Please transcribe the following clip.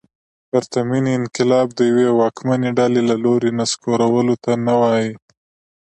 پرتمین انقلاب د یوې واکمنې ډلې له لوري نسکورولو ته نه وايي.